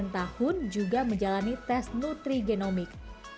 sembilan tahun juga menjalani tes nutri genomik